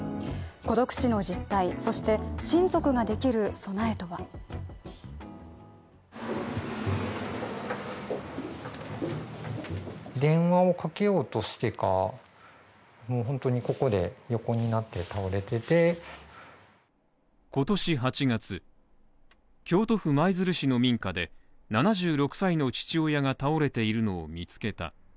孤独死の実態、そして親族ができる備えとは今年８月、京都府舞鶴市の民家で７６歳の父親が倒れているのを見つけた。